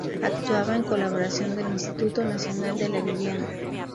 Actuaba en colaboración del Instituto Nacional de la Vivienda.